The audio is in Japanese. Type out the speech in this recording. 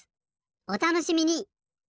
おたのしみに！